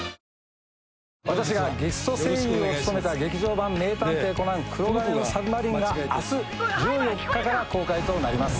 私がゲスト声優を務めた劇場版『名探偵コナン黒鉄の魚影』が明日１４日から公開となります。